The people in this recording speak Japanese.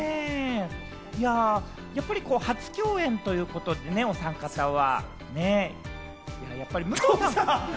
やっぱり初共演ということでね、おさん方は。